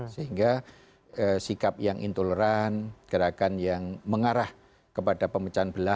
sehingga sikap yang intoleran gerakan yang mengarah kepada pemecahan bela